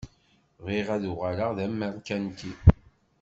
Bɣiɣ ad uɣaleɣ d ameṛkanti.